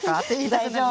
大丈夫！